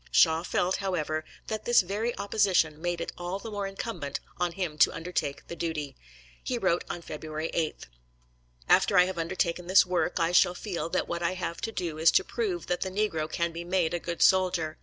Shaw felt, however, that this very opposition made it all the more incumbent on him to undertake the duty. He wrote on February 8: After I have undertaken this work, I shall feel that what I have to do is to prove that the negro can be made a good soldier...